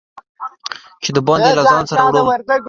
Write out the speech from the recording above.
چې د باندي یې له ځان سره وړم